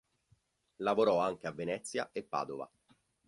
Lavorò anche a Venezia e Padova.